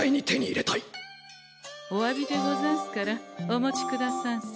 おわびでござんすからお持ちくださんせ。